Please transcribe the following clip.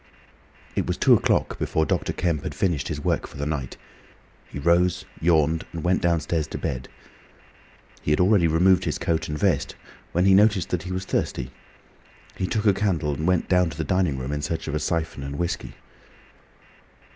It was two o'clock before Dr. Kemp had finished his work for the night. He rose, yawned, and went downstairs to bed. He had already removed his coat and vest, when he noticed that he was thirsty. He took a candle and went down to the dining room in search of a syphon and whiskey.